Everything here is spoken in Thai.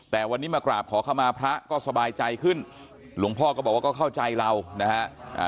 แต่วันนี้มากราบขอเข้ามาพระก็สบายใจขึ้นหลวงพ่อก็บอกว่าก็เข้าใจเรานะฮะ